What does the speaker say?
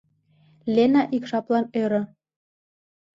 — Лена ик жаплан ӧрӧ.